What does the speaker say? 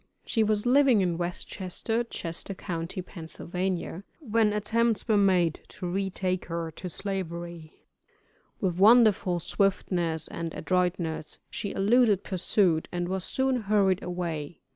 She was living in West Chester, Chester county, Pa., when attempts were made to retake her to Slavery. With wonderful swiftness and adroitness she eluded pursuit, and was soon hurried away.